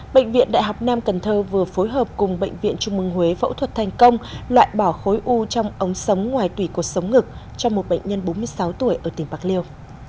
bệnh viện đại học nam cần thơ vừa phối hợp cùng bệnh viện trung mương huế phẫu thuật thành công loại bỏ khối u trong ống sống ngoài tủy cột sống ngực cho một bệnh nhân bốn mươi sáu tuổi ở tỉnh bạc liêu